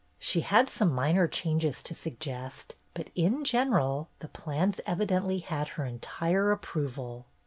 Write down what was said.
She had some minor changes to suggest, but in general the plans evidently had her entire approval.